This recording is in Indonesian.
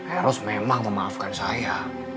eros memang memaafkan saya